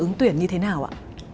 trúng tuyển như thế nào ạ